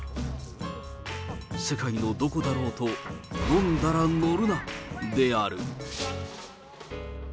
世界のどこだろうと、飲んだら乗るなである。